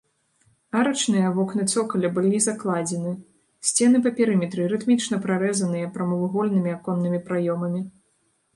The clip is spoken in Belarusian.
Арачныя вокны цокаля былі закладзены, сцены па перыметры рытмічна прарэзаныя прамавугольнымі аконнымі праёмамі.